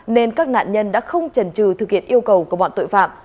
nên các nạn nhân đã không trần trừ thực hiện yêu cầu của bọn tội phạm